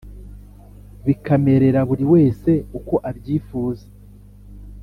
bikamerera buri wese uko abyifuza.